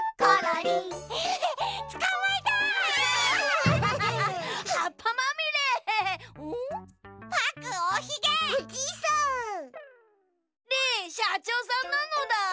リンしゃちょうさんなのだ。